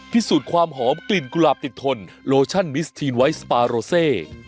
พิสูจน์ความหอมกลิ่นกุหลาบติดทนโลชั่นมิสทีนไวท์สปาโรเซ